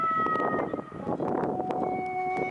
مسګر بې هنره نه وي.